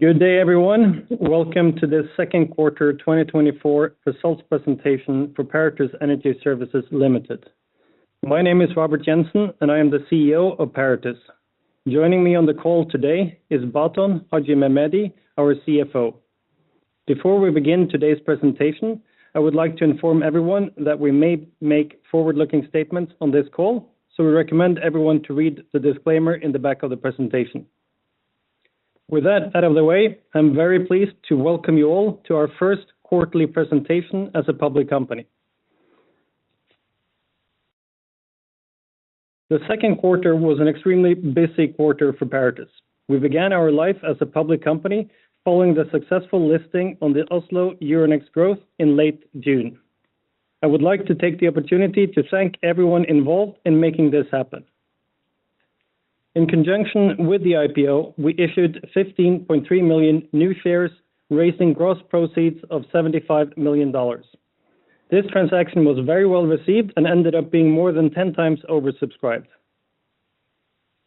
Good day, everyone. Welcome to the second quarter 2024 results presentation for Paratus Energy Services Limited. My name is Robert Jensen, and I am the CEO of Paratus. Joining me on the call today is Baton Haxhimehmedi, our CFO. Before we begin today's presentation, I would like to inform everyone that we may make forward-looking statements on this call, so we recommend everyone to read the disclaimer in the back of the presentation. With that out of the way, I'm very pleased to welcome you all to our first quarterly presentation as a public company. The second quarter was an extremely busy quarter for Paratus. We began our life as a public company following the successful listing on the Euronext Growth Oslo in late June. I would like to take the opportunity to thank everyone involved in making this happen. In conjunction with the IPO, we issued $15.3 million new shares, raising gross proceeds of $75 million. This transaction was very well received and ended up being more than 10x oversubscribed.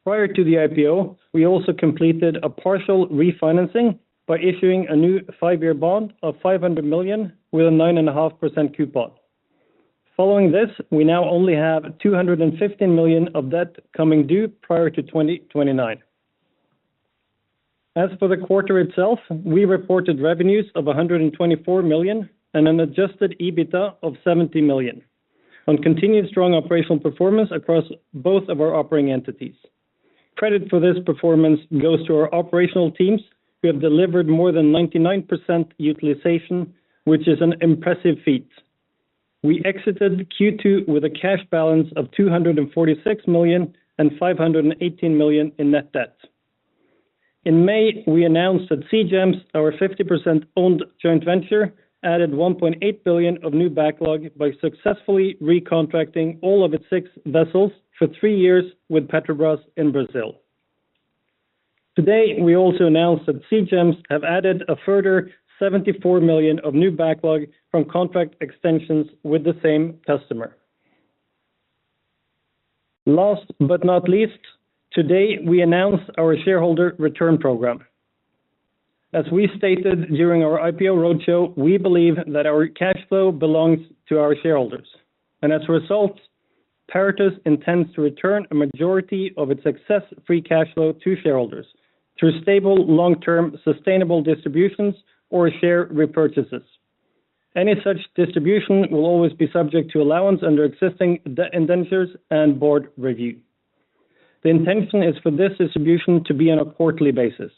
Prior to the IPO, we also completed a partial refinancing by issuing a new 5 year bond of $500 million, with a 9.5% coupon. Following this, we now only have $215 million of debt coming due prior to 2029. As for the quarter itself, we reported revenues of $124 million and an Adjusted EBITDA of $70 million on continued strong operational performance across both of our operating entities. Credit for this performance goes to our operational teams, who have delivered more than 99% utilization, which is an impressive feat. We exited Q2 with a cash balance of $246 million and $518 million in net debt. In May, we announced that Seagems, our 50% owned joint venture, added $1.8 billion of new backlog by successfully recontracting all of its six vessels for three years with Petrobras in Brazil. Today, we also announced that Seagems have added a further $74 million of new backlog from contract extensions with the same customer. Last but not least, today, we announced our shareholder return program. As we stated during our IPO roadshow, we believe that our cash flow belongs to our shareholders, and as a result, Paratus intends to return a majority of its excess free cash flow to shareholders through stable, long-term, sustainable distributions or share repurchases. Any such distribution will always be subject to allowance under existing debt indentures and board review. The intention is for this distribution to be on a quarterly basis.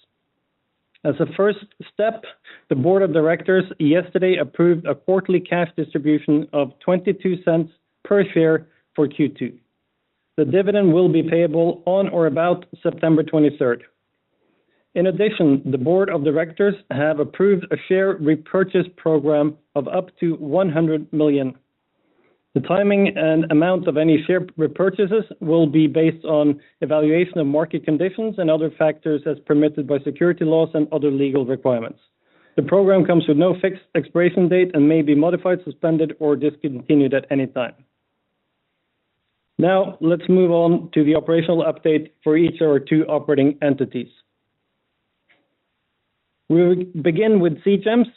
As a first step, the board of directors yesterday approved a quarterly cash distribution of $0.22 per share for Q2. The dividend will be payable on or about September 23rd. In addition, the board of directors have approved a share repurchase program of up to $100 million. The timing and amount of any share repurchases will be based on evaluation of market conditions and other factors as permitted by securities laws and other legal requirements. The program comes with no fixed expiration date and may be modified, suspended, or discontinued at any time. Now, let's move on to the operational update for each of our two operating entities. We will begin with Seagems,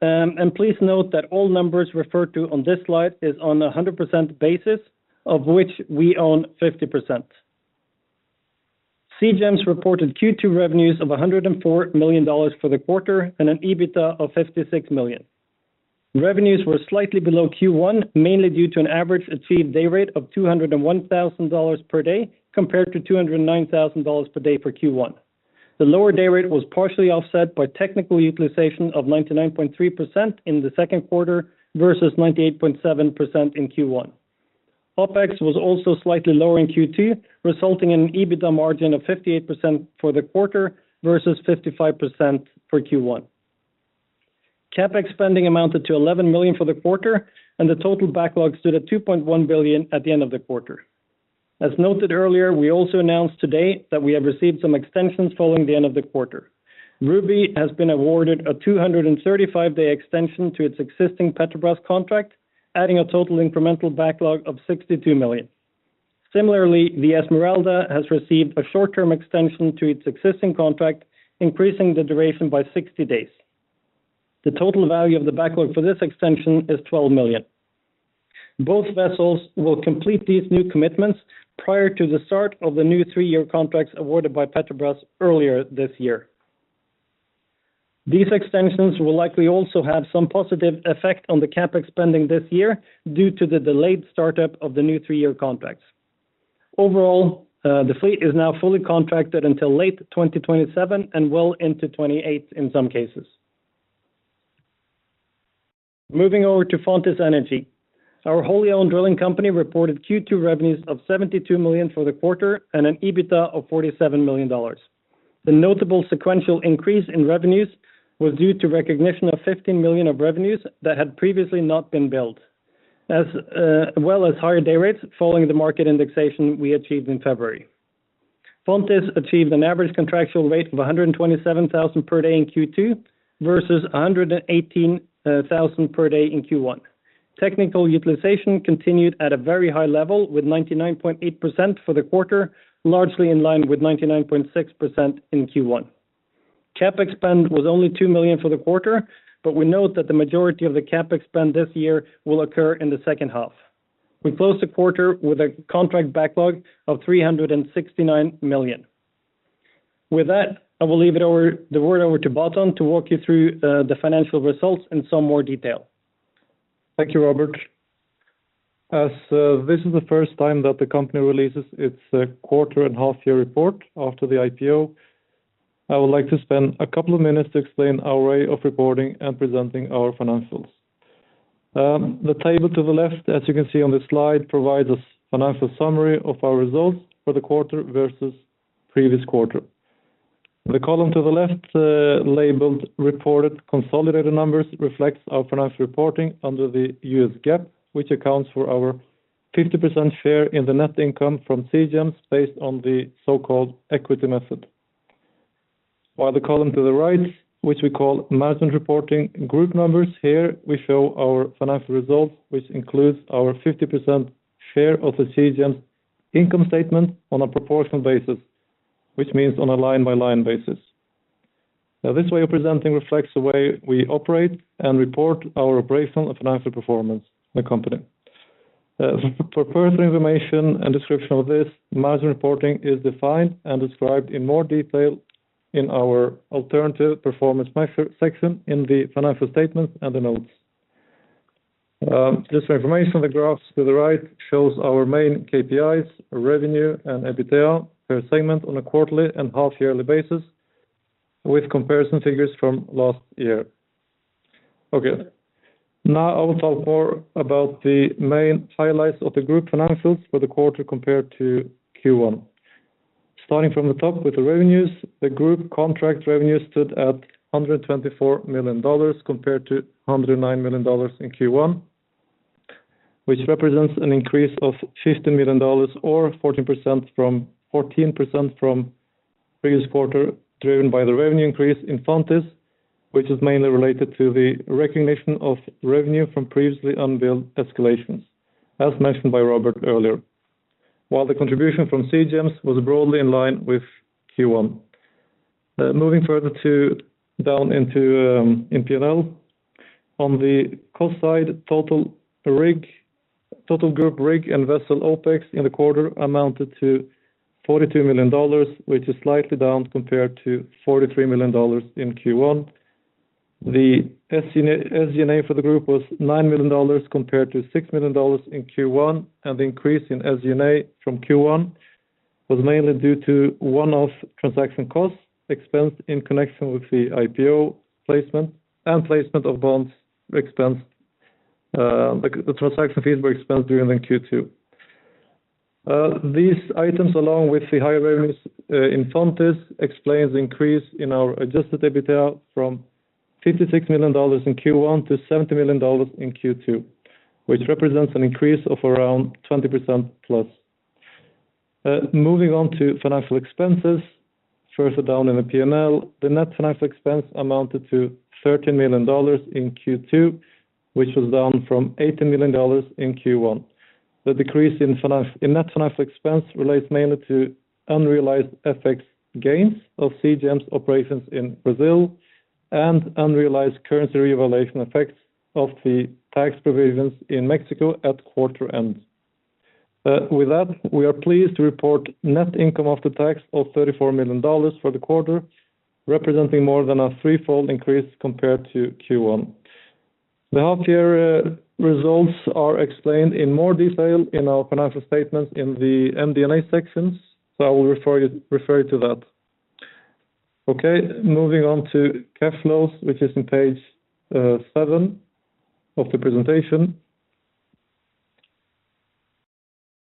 and please note that all numbers referred to on this slide is on a 100% basis, of which we own 50%. Seagems reported Q2 revenues of $104 million for the quarter and an EBITDA of $56 million. Revenues were slightly below Q1, mainly due to an average achieved day rate of $201,000 per day, compared to $209,000 per day for Q1. The lower day rate was partially offset by technical utilization of 99.3% in the second quarter versus 98.7% in Q1. OpEx was also slightly lower in Q2, resulting in an EBITDA margin of 58% for the quarter versus 55% for Q1. CapEx spending amounted to $11 million for the quarter, and the total backlog stood at $2.1 billion at the end of the quarter. As noted earlier, we also announced today that we have received some extensions following the end of the quarter. Ruby has been awarded a 235-day extension to its existing Petrobras contract, adding a total incremental backlog of $62 million. Similarly, the Esmeralda has received a short-term extension to its existing contract, increasing the duration by 60 days. The total value of the backlog for this extension is $12 million. Both vessels will complete these new commitments prior to the start of the new three-year contracts awarded by Petrobras earlier this year. These extensions will likely also have some positive effect on the CapEx spending this year due to the delayed startup of the new three-year contracts. Overall, the fleet is now fully contracted until late 2027 and well into 2028 in some cases. Moving over to Fontis Energy, our wholly owned drilling company reported Q2 revenues of $72 million for the quarter and an EBITDA of $47 million. The notable sequential increase in revenues was due to recognition of $15 million of revenues that had previously not been billed, as, well as higher day rates following the market indexation we achieved in February. Paratus achieved an average contractual rate of $127,000 per day in Q2 versus $118,000 per day in Q1. Technical utilization continued at a very high level, with 99.8% for the quarter, largely in line with 99.6% in Q1. CapEx spend was only $2 million for the quarter, but we note that the majority of the CapEx spend this year will occur in the second half. We closed the quarter with a contract backlog of $369 million. With that, I will hand it over to Baton to walk you through the financial results in some more detail. Thank you, Robert. As this is the first time that the company releases its quarter and half year report after the IPO, I would like to spend a couple of minutes to explain our way of reporting and presenting our financials. The table to the left, as you can see on the slide, provides a financial summary of our results for the quarter versus previous quarter. The column to the left labeled: Reported Consolidated Numbers, reflects our financial reporting under the US GAAP, which accounts for our 50% share in the net income from Seagems, based on the so-called equity method. While the column to the right, which we call Management Reporting Group Numbers, here we show our financial results, which includes our 50% share of the Seagems income statement on a proportional basis, which means on a line-by-line basis. Now, this way of presenting reflects the way we operate and report our operational and financial performance in the company. For further information and description of this, management reporting is defined and described in more detail in our alternative performance measure section, in the financial statements and the notes. Just for information, the graphs to the right show our main KPIs, revenue, and EBITDA per segment on a quarterly and half yearly basis, with comparison figures from last year. Now I will talk more about the main highlights of the group financials for the quarter compared to Q1. Starting from the top with the revenues, the group contract revenue stood at $124 million, compared to $109 million in Q1, which represents an increase of $50 million or 14% from previous quarter, driven by the revenue increase in Fontis, which is mainly related to the recognition of revenue from previously unbilled escalations, as mentioned by Robert earlier. While the contribution from Seagems was broadly in line with Q1. Moving further down into the P&L. On the cost side, total group rig and vessel OpEx in the quarter amounted to $42 million, which is slightly down compared to $43 million in Q1. The SG&A for the group was $9 million, compared to $6 million in Q1, and the increase in SG&A from Q1 was mainly due to one-off transaction costs, expense in connection with the IPO placement and placement of bonds expense. The transaction fees were expensed during Q2. These items, along with the higher revenues in Fontis, explains the increase in our Adjusted EBITDA from $56 million in Q1 to $70 million in Q2, which represents an increase of around 20%+. Moving on to financial expenses, further down in the P&L, the net financial expense amounted to $13 million in Q2, which was down from $18 million in Q1. The decrease in finance, in net financial expense relates mainly to unrealized FX gains of Seagems operations in Brazil, and unrealized currency revaluation effects of the tax provisions in Mexico at quarter end. With that, we are pleased to report net income after tax of $34 million for the quarter, representing more than a threefold increase compared to Q1. The half year results are explained in more detail in our financial statements in the MD&A sections, so I will refer you, refer you to that. Okay, moving on to cash flows, which is in page seven of the presentation.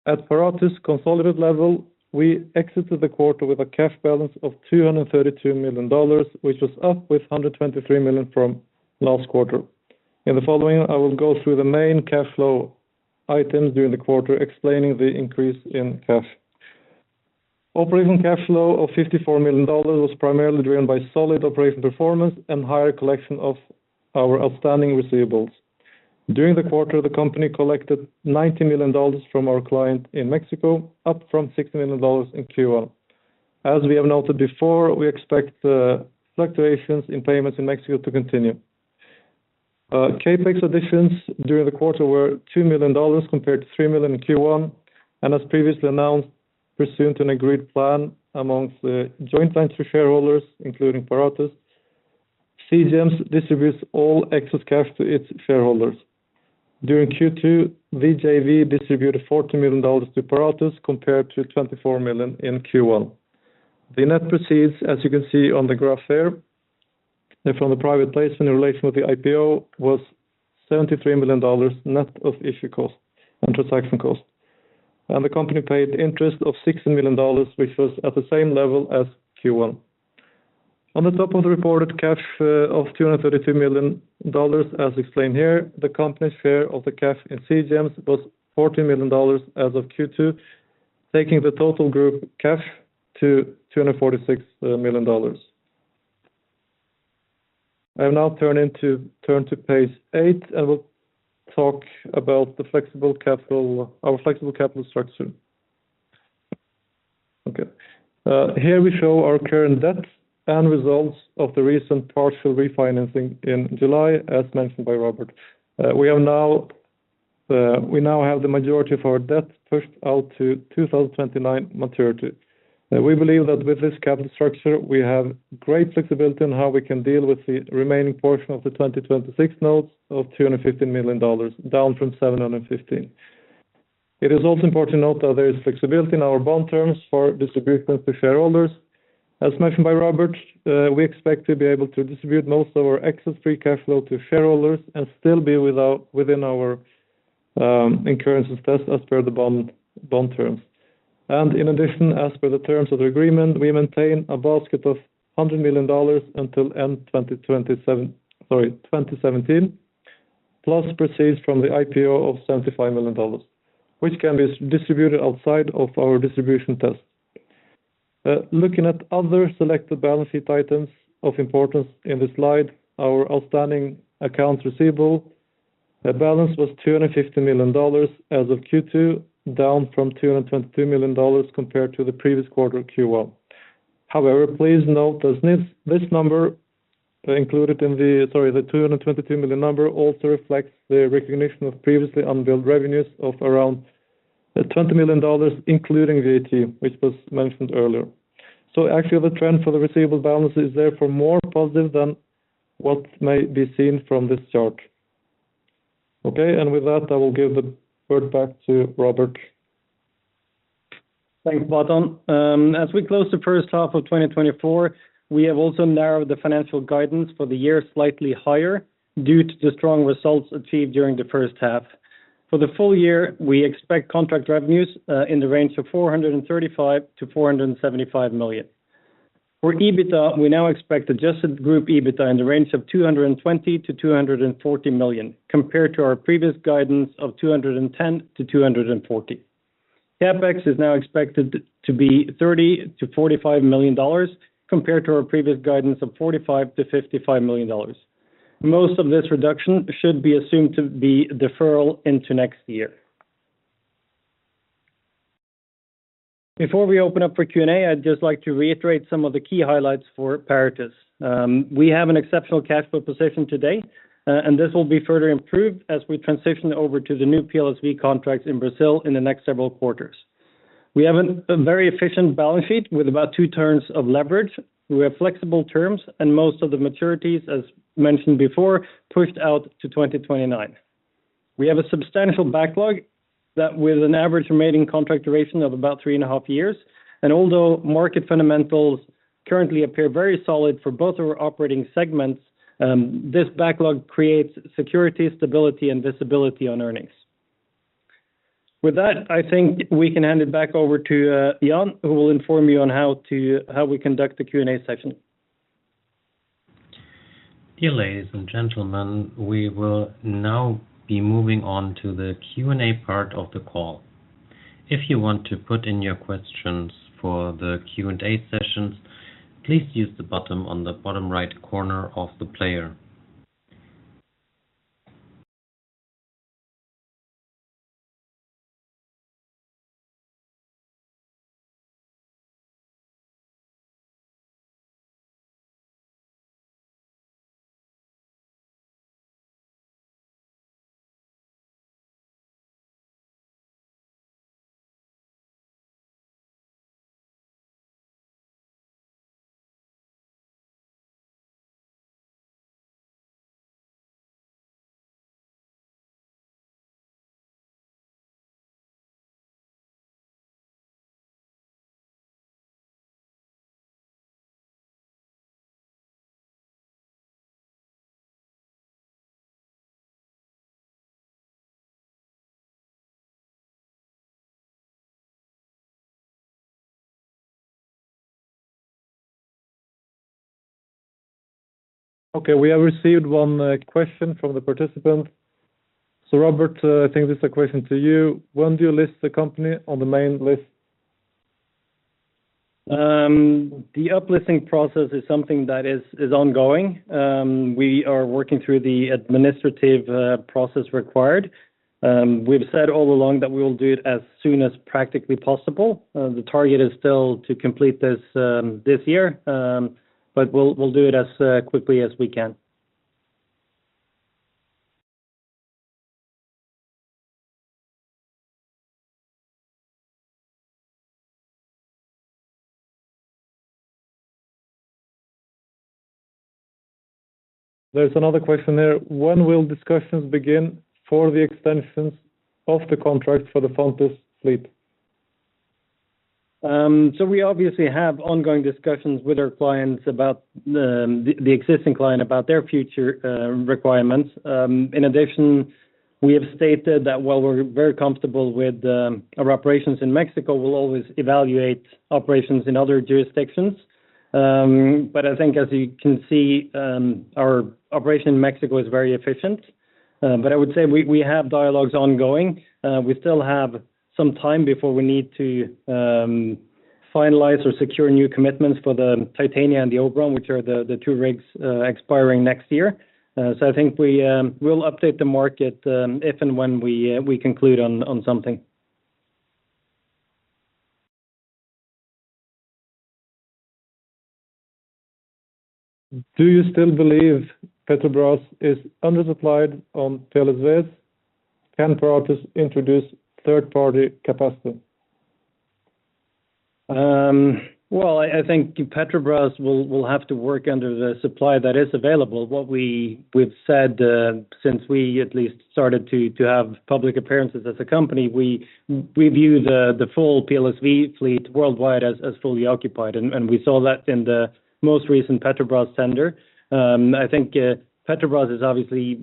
At Paratus consolidated level, we exited the quarter with a cash balance of $232 million, which was up with $123 million from last quarter. In the following, I will go through the main cash flow items during the quarter, explaining the increase in cash. Operating cash flow of $54 million was primarily driven by solid operating performance and higher collection of our outstanding receivables. During the quarter, the company collected $90 million from our client in Mexico, up from $60 million in Q1. As we have noted before, we expect fluctuations in payments in Mexico to continue. CapEx additions during the quarter were $2 million, compared to $3 million in Q1, and as previously announced, pursuant to an agreed plan among the joint venture shareholders, including Paratus, Seagems distributes all excess cash to its shareholders. During Q2, the JV distributed $40 million to Paratus, compared to $24 million in Q1. The net proceeds, as you can see on the graph there, and from the private placement in relation with the IPO, was $73 million, net of issue costs and transaction costs. And the company paid interest of $16 million, which was at the same level as Q1. On the top of the reported cash of $232 million, as explained here, the company's share of the cash in Seagems was $40 million as of Q2, taking the total group cash to $246 million. I will now turn to page eight, and we'll talk about the flexible capital, our flexible capital structure. Okay, here we show our current debt and results of the recent partial refinancing in July, as mentioned by Robert. We now have the majority of our debt pushed out to 2029 maturity. We believe that with this capital structure, we have great flexibility in how we can deal with the remaining portion of the 2026 notes of $250 million, down from $715 million. It is also important to note that there is flexibility in our bond terms for distributions to shareholders. As mentioned by Robert, we expect to be able to distribute most of our excess free cash flow to shareholders and still be within our incurrence test as per the bond terms. In addition, as per the terms of the agreement, we maintain a basket of $100 million until end 2027—sorry, 2017, plus proceeds from the IPO of $75 million, which can be distributed outside of our distribution test. Looking at other selected balance sheet items of importance in this slide, our outstanding accounts receivable balance was $250 million as of Q2, down from $222 million compared to the previous quarter, Q1. However, please note that this number included in the $222 million number also reflects the recognition of previously unbilled revenues of around $20 million, including VAT, which was mentioned earlier. So actually, the trend for the receivable balance is therefore more positive than what may be seen from this chart. Okay, and with that, I will give the word back to Robert. Thanks, Baton. As we close the first half of 2024, we have also narrowed the financial guidance for the year slightly higher due to the strong results achieved during the first half. For the full year, we expect contract revenues in the range of $435 million-$475 million. For EBITDA, we now expect adjusted group EBITDA in the range of $220 million-$240 million, compared to our previous guidance of $210 million-$240 million. CapEx is now expected to be $30 million-$45 million, compared to our previous guidance of $45 million-$55 million. Most of this reduction should be assumed to be deferral into next year. Before we open up for Q&A, I'd just like to reiterate some of the key highlights for Paratus. We have an exceptional cash flow position today, and this will be further improved as we transition over to the new PLSV contracts in Brazil in the next several quarters. We have a very efficient balance sheet with about two turns of leverage. We have flexible terms, and most of the maturities, as mentioned before, pushed out to 2029. We have a substantial backlog, with an average remaining contract duration of about three and a half years, and although market fundamentals currently appear very solid for both our operating segments, this backlog creates security, stability, and visibility on earnings. With that, I think we can hand it back over to Jan, who will inform you on how we conduct the Q&A session. Dear ladies and gentlemen, we will now be moving on to the Q&A part of the call. If you want to put in your questions for the Q&A sessions, please use the button on the bottom right corner of the player. Okay, we have received one question from the participant. So Robert, I think this is a question to you: When do you list the company on the main list? The uplisting process is something that is ongoing. We are working through the administrative process required. We've said all along that we will do it as soon as practically possible. The target is still to complete this this year, but we'll do it as quickly as we can. There's another question there: When will discussions begin for the extensions of the contract for the Fontis fleet? So we obviously have ongoing discussions with our clients about the existing client about their future requirements. In addition, we have stated that while we're very comfortable with our operations in Mexico, we'll always evaluate operations in other jurisdictions, but I think as you can see, our operation in Mexico is very efficient, but I would say we have dialogues ongoing. We still have some time before we need to finalize or secure new commitments for the Titania and the Oberon, which are the two rigs expiring next year, so I think we'll update the market if and when we conclude on something. Do you still believe Petrobras is undersupplied on PSV and plan to introduce third-party capacity? I think Petrobras will have to work under the supply that is available. What we've said since we at least started to have public appearances as a company, we view the full PLSV fleet worldwide as fully occupied, and we saw that in the most recent Petrobras tender. I think Petrobras is obviously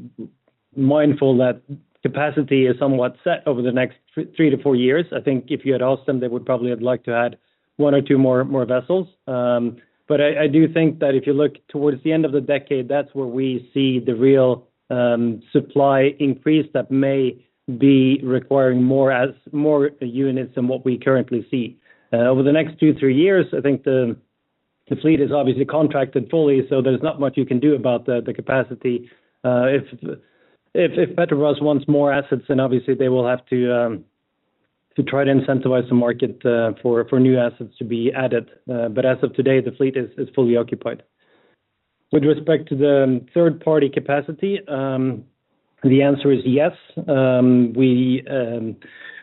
mindful that capacity is somewhat set over the next three to four years. I think if you had asked them, they would probably have liked to add one or two more vessels. I do think that if you look towards the end of the decade, that's where we see the real supply increase that may be requiring more units than what we currently see. Over the next two, three years, I think the fleet is obviously contracted fully, so there's not much you can do about the capacity. If Petrobras wants more assets, then obviously they will have to try to incentivize the market for new assets to be added. But as of today, the fleet is fully occupied. With respect to the third-party capacity, the answer is yes.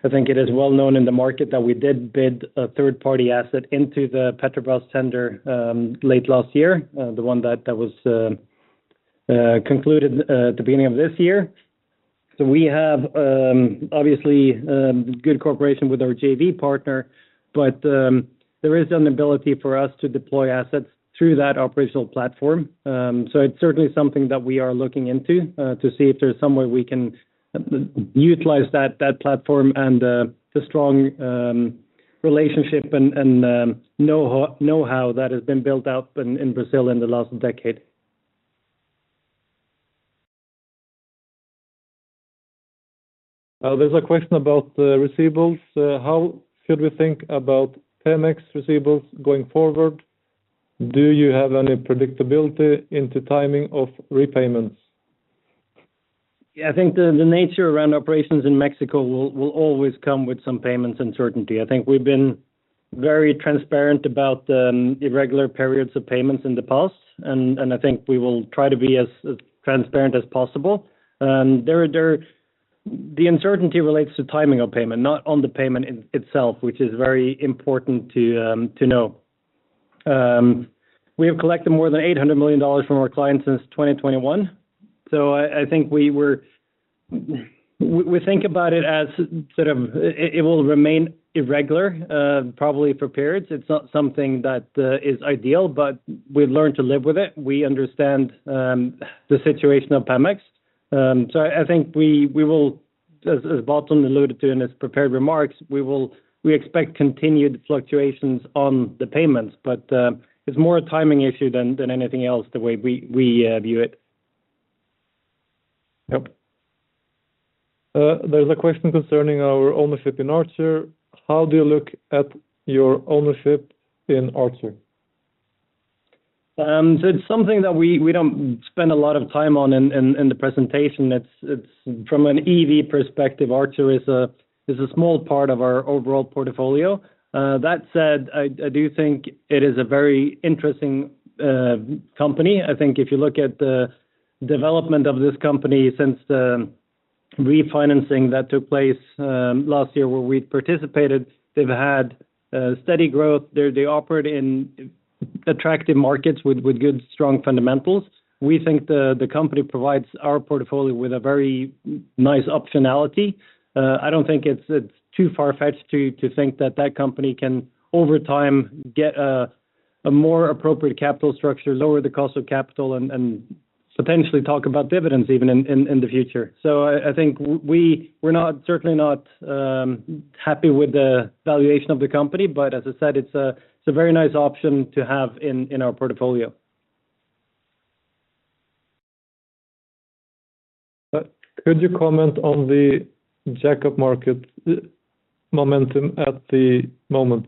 I think it is well known in the market that we did bid a third-party asset into the Petrobras tender, late last year, the one that was concluded at the beginning of this year. So we have obviously good cooperation with our JV partner, but there is an ability for us to deploy assets through that operational platform. So it's certainly something that we are looking into, to see if there's some way we can utilize that platform and the strong relationship and know-how that has been built out in Brazil in the last decade. There's a question about the receivables. How should we think about Pemex receivables going forward? Do you have any predictability into timing of repayments? Yeah, I think the nature around operations in Mexico will always come with some payments uncertainty. I think we've been very transparent about irregular periods of payments in the past, and I think we will try to be as transparent as possible. The uncertainty relates to timing of payment, not on the payment in itself, which is very important to know. We have collected more than $800 million from our clients since 2021, so I think we think about it as sort of it will remain irregular probably for periods. It's not something that is ideal, but we've learned to live with it. We understand the situation of Pemex. So I think we will, as Baton alluded to in his prepared remarks, expect continued fluctuations on the payments, but it's more a timing issue than anything else, the way we view it. Yep. There's a question concerning our ownership in Archer. How do you look at your ownership in Archer? So it's something that we don't spend a lot of time on in the presentation. It's from an EV perspective, Archer is a small part of our overall portfolio. That said, I do think it is a very interesting company. I think if you look at the development of this company since the refinancing that took place last year, where we participated, they've had steady growth. They operate in attractive markets with good, strong fundamentals. We think the company provides our portfolio with a very nice optionality. I don't think it's too far-fetched to think that company can, over time, get a more appropriate capital structure, lower the cost of capital, and potentially talk about dividends even in the future. I think we're not certainly not happy with the valuation of the company, but as I said, it's a very nice option to have in our portfolio. Could you comment on the jack-up market momentum at the moment?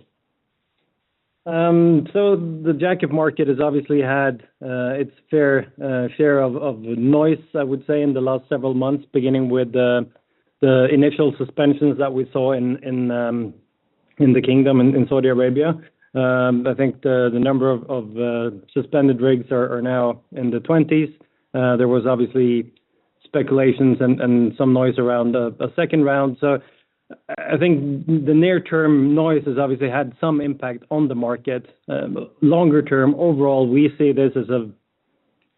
So the jackup market has obviously had its fair share of noise, I would say, in the last several months, beginning with the initial suspensions that we saw in the Kingdom, in Saudi Arabia. I think the number of suspended rigs are now in the 20s. There was obviously speculations and some noise around a second round. So I think the near-term noise has obviously had some impact on the market. Longer term, overall, we see this as a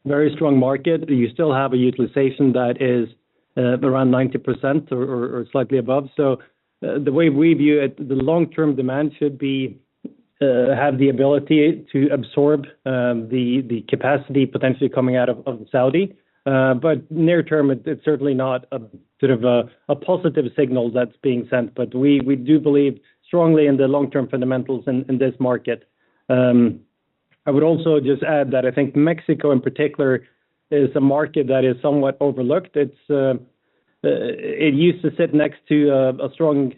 very strong market. You still have a utilization that is around 90% or slightly above. So the way we view it, the long-term demand should have the ability to absorb the capacity potentially coming out of Saudi. But near term, it's certainly not a bit of a positive signal that's being sent, but we do believe strongly in the long-term fundamentals in this market. I would also just add that I think Mexico, in particular, is a market that is somewhat overlooked. It used to sit next to a strong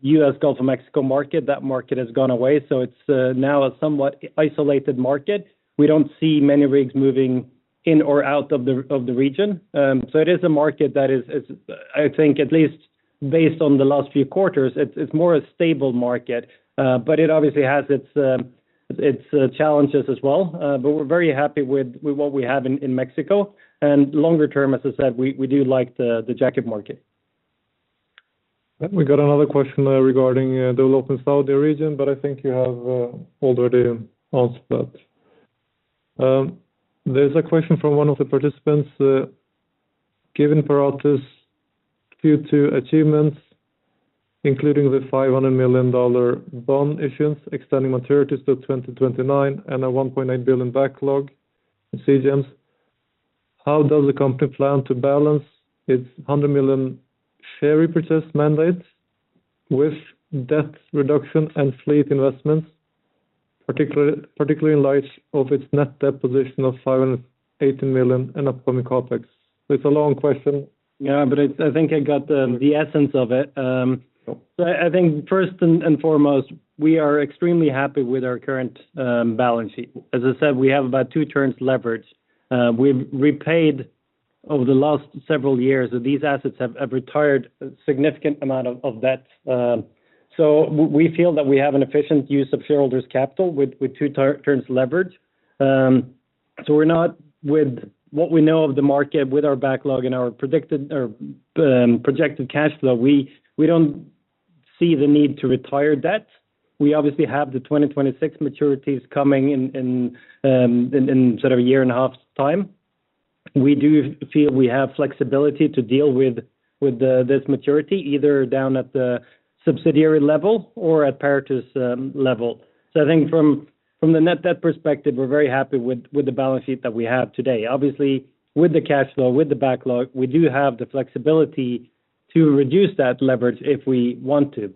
U.S. Gulf of Mexico market. That market has gone away, so it's now a somewhat isolated market. We don't see many rigs moving in or out of the region, so it is a market that is, I think, at least based on the last few quarters, it's more a stable market, but it obviously has its challenges as well. But we're very happy with what we have in Mexico, and longer term, as I said, we do like the jack-up market. We got another question, regarding, the open Saudi region, but I think you have, already answered that. There's a question from one of the participants: Given Paratus' Q2 achievements, including the $500 million bond issuance, extending maturities to 2029, and a $1.8 billion backlog in Seagems, how does the company plan to balance its $100 million share repurchase mandate with debt reduction and fleet investments, particularly in light of its net debt position of $780 million and upcoming CapEx? It's a long question. Yeah, but I think I got the essence of it. So I think first and foremost, we are extremely happy with our current balance sheet. As I said, we have about two turns leverage. We've repaid over the last several years, so these assets have retired a significant amount of debt. So we feel that we have an efficient use of shareholders' capital with two turns leverage. So we're not with what we know of the market, with our backlog and our predicted or projected cash flow, we don't see the need to retire debt. We obviously have the 2026 maturities coming in in sort of a year-and-a-half's time. We do feel we have flexibility to deal with this maturity, either down at the subsidiary level or at Paratus level. So I think from the net debt perspective, we're very happy with the balance sheet that we have today. Obviously, with the cash flow, with the backlog, we do have the flexibility to reduce that leverage if we want to.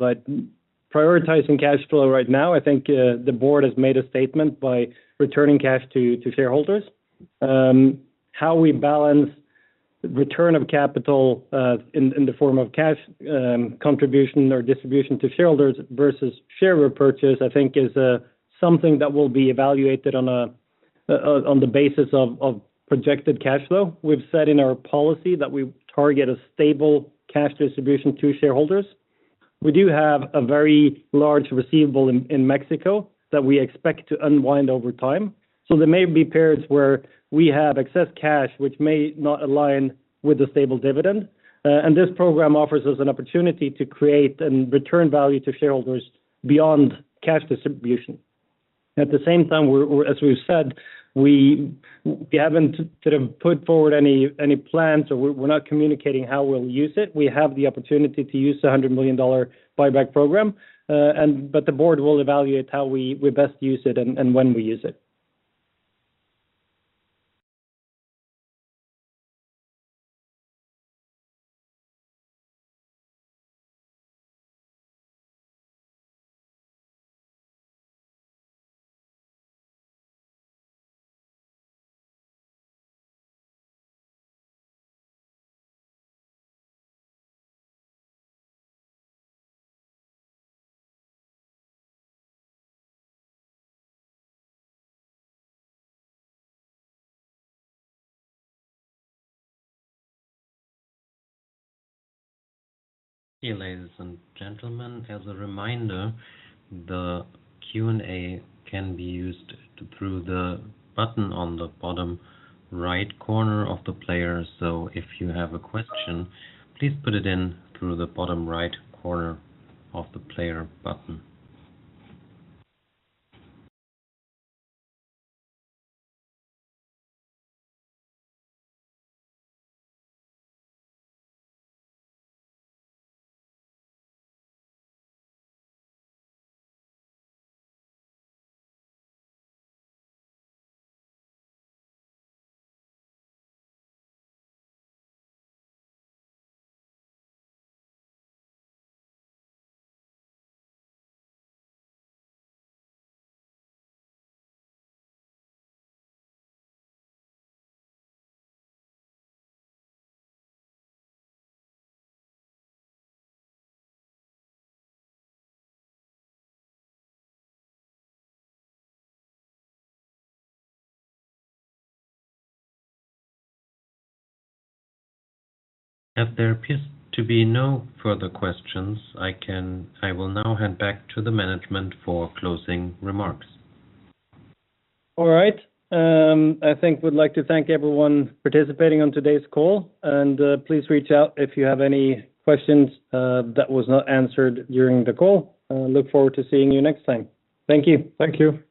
But prioritizing cash flow right now, I think, the board has made a statement by returning cash to shareholders. How we balance return of capital, in the form of cash, contribution or distribution to shareholders versus share repurchase, I think is something that will be evaluated on the basis of projected cash flow. We've said in our policy that we target a stable cash distribution to shareholders. We do have a very large receivable in Mexico that we expect to unwind over time. So there may be periods where we have excess cash, which may not align with the stable dividend, and this program offers us an opportunity to create and return value to shareholders beyond cash distribution. At the same time, we're -- as we've said, we haven't sort of put forward any plans, so we're not communicating how we'll use it. We have the opportunity to use the $100 million buyback program, and but the board will evaluate how we best use it and when we use it. Hey, ladies and gentlemen, as a reminder, the Q&A can be used through the button on the bottom right corner of the player. So if you have a question, please put it in through the bottom right corner of the player button. As there appears to be no further questions, I will now hand back to the management for closing remarks. All right, I think we'd like to thank everyone participating on today's call, and please reach out if you have any questions that was not answered during the call. Look forward to seeing you next time. Thank you. Thank you.